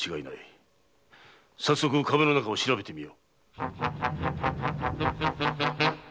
早速壁の中を調べてみよ。